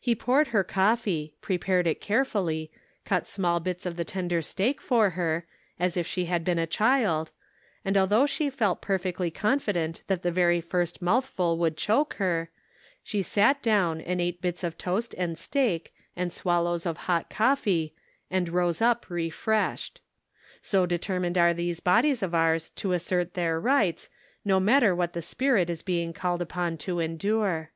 He poured her coffee, prepared it carefully, cut small bits of the tender steak for her, as if she had been a child, and although she felt perfectly confident that the very first mouth ful would choke her, she sat down and ate bits of toast and steak and swallows of hot coffee, and rose up refreshed. So determined are these bodies of ours to assert their rights, no matter what the spirit is being called upon to endure.